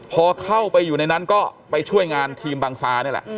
พอเข้าไปอยู่ในนั้นก็ไปช่วยงานทีมบังซานี่แหละ